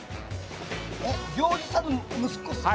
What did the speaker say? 行司さんの息子さん？